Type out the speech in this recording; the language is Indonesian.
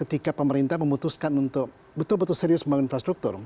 jadi kita memutuskan untuk betul betul serius membangun infrastruktur